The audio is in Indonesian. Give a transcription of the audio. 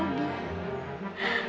rumana kan pasti takut